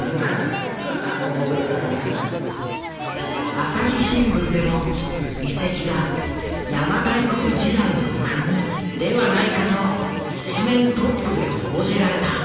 朝日新聞でも遺跡が「邪馬台国時代の『クニ』」ではないかと一面トップで報じられた。